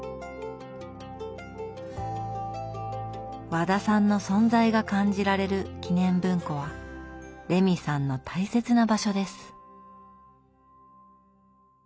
和田さんの存在が感じられる記念文庫はレミさんの大切な場所です。